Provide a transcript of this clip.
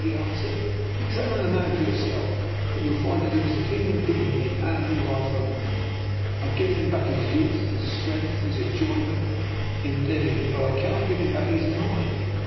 he answered. " Examine the man for your self, and you will find that he is a human be ing in animal life only. I have given him back his youth, his strength, his enjoyment in living, but I cannot give him back his mind.